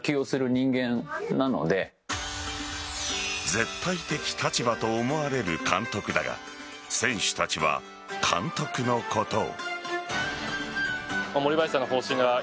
絶対的立場と思われる監督だが選手たちは監督のことを。